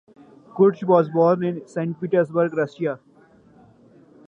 Kurtz was born in Saint Petersburg, Russia.